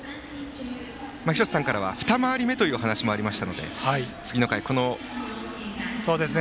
廣瀬さんからは二回り目という話がありましたので次の回ですね。